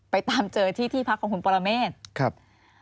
ตามเจอที่ที่พักของคุณปรเมฆครับ